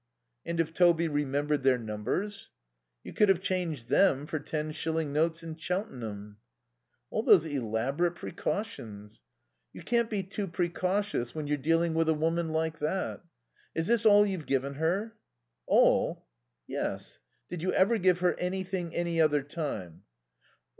"And if Toby remembered their numbers?" "You could have changed them for ten shilling notes in Cheltenham." "All these elaborate precautions!" "You can't be too precautions when you're dealing with a woman like that.... Is this all you've given her?" "All?" "Yes. Did you ever give her anything any other time?"